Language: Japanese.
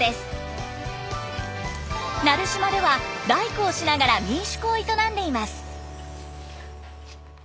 奈留島では大工をしながら民宿を営んでいます。